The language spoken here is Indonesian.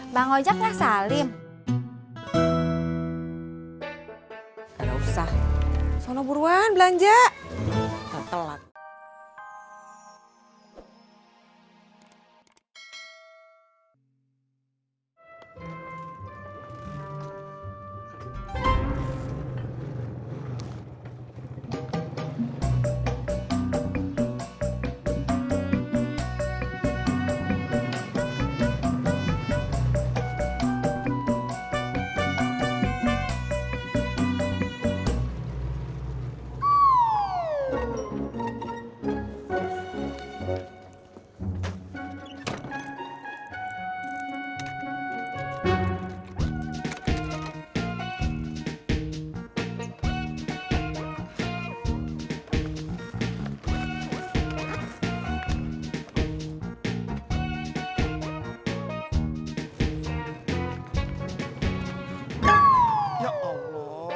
bang ojak gak salim